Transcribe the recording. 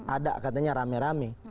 ada katanya rame rame